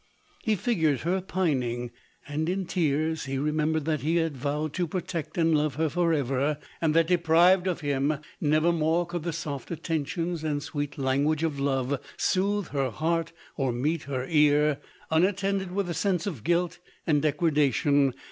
He figured her pining, and in tears — he remembered that he had vowed to pro tect and love her for ever ; and that deprived of him, never more could the soft attentions and sweet language of love soothe her heart or meet her ear, unattended with a sense of guilt and degradation.